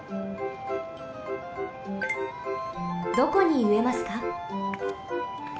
どこにうえますか？